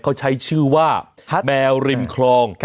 เขาใช้ชื่อว่าแมวริมคลอง